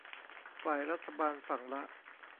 ฝ่ายรัฐบาลฝั่งละ